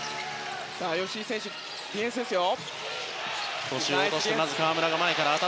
さあ吉井選手ディフェンスですよ。